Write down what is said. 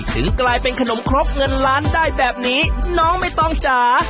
ถึงกลายเป็นขนมครกเงินล้านได้แบบนี้น้องไม่ต้องจ๋า